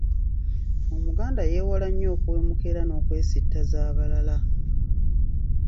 Omuganda yeewala nnyo okuwemuka era n’okwesittaza abalala.